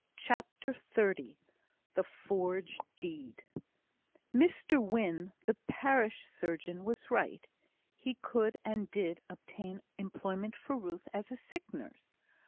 CHAPTER XXX The Forged Deed Mr Wynne, the parish surgeon, was right. He could and did obtain employment for Ruth as a sick nurse.